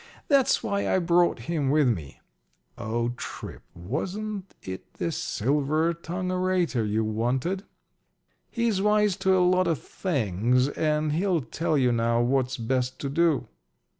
That's why I brought him with me." (O Tripp, wasn't it the silver tongued orator you wanted?) "He's wise to a lot of things, and he'll tell you now what's best to do."